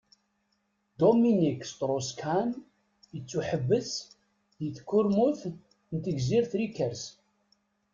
Dominique Strauss-Kahn yettuḥebbes di tkurmut n tegzirt Rikers.